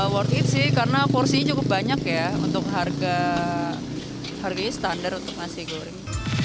worth it sih karena porsinya cukup banyak ya untuk harga standar untuk nasi goreng